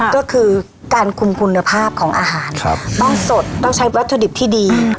ก็คือการคุมคุณภาพของอาหารต้องสดต้องใช้วัตถุดิบที่ดี